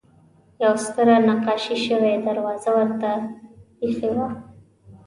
یوه ستره نقاشي شوې دروازه ورته اېښې وه.